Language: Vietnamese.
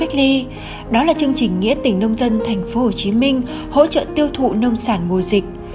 chế đó là chương trình nghĩa tỉnh nông dân thành phố hồ chí minh hỗ trợ tiêu thụ nông sản mùa dịch